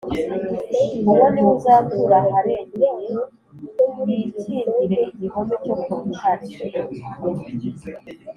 “Uwo ni we uzatura aharengeye yikingire igihome cyo ku rutare